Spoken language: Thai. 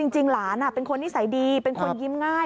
จริงหลานเป็นคนนิสัยดีเป็นคนยิ้มง่าย